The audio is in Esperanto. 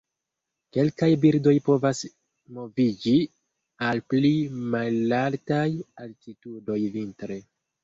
Kelkaj birdoj povas moviĝi al pli malaltaj altitudoj vintre.